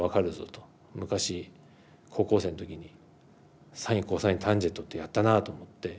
昔高校生の時にサインコサインタンジェントってやったなぁと思って。